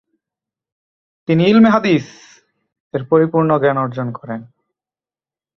তিনি ' ইলমে হাদিস' '- এর পরিপূর্ণ জ্ঞান অর্জন করেন ।